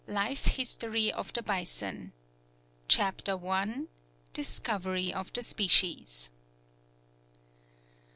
LIFE HISTORY OF THE BISON. I. DISCOVERY OF THE SPECIES.